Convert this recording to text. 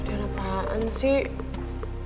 dia kenapaan sih